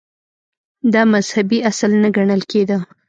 • دا مذهبي اصل نه ګڼل کېده.